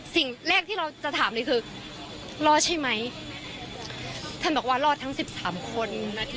สิ่งแรกที่เราจะถามเลยคือรอดใช่ไหมท่านบอกว่ารอดทั้งสิบสามคน